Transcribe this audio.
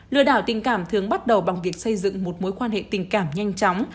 lừa đảo tình cảm thường bắt đầu bằng việc xây dựng một mối quan hệ tình cảm nhanh chóng